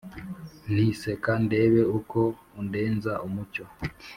nti « seka ndebe uko undenza umucyo,